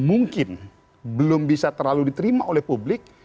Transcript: mungkin belum bisa terlalu diterima oleh publik